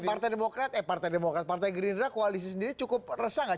partai demokrat eh partai green ra koalisi sendiri cukup resah gak